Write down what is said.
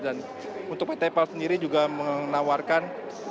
dan untuk pt pal sendiri juga menawarkan